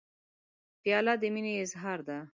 پیاله د مینې اظهار دی.